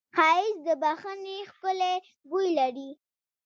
ښایست د بښنې ښکلی بوی لري